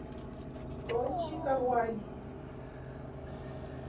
Koichi Kawai